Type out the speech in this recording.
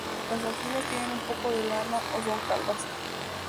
Las axilas tienen un poco de lana o son calvas.